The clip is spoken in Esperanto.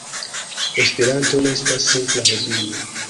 Esperanto ne estas simpla hobio.